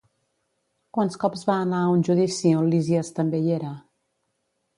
Quants cops va anar a un judici on Lísies també hi era?